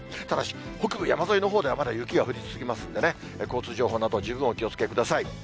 ただし、北部山沿いのほうではまだ雪が降り続きますんでね、交通情報など十分お気をつけください。